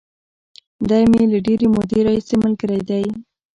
دی مې له ډېرې مودې راهیسې ملګری دی.